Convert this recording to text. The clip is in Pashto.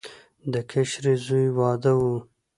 د کشري زوی واده و.